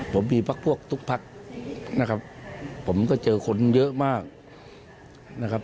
ผมมีพักพวกทุกพักนะครับผมก็เจอคนเยอะมากนะครับ